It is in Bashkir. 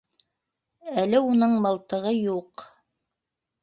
Әле уның мылтығы юҡ.